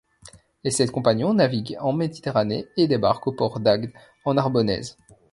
Les sept compagnons naviguent en Méditerranée et débarquent au port d'Agde, en Narbonnaise.